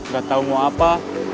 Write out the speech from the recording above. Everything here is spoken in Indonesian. gak tau mau apa